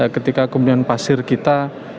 ketika kemudian pasir kita